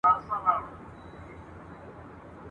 چي د عقل په میدان کي پهلوان وو ..